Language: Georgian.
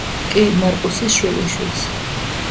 კი მარკუსის შვილიშვილს.